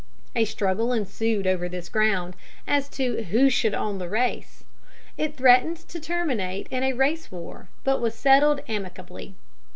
A struggle ensued over this ground as to who should own the race. It threatened to terminate in a race war, but was settled amicably.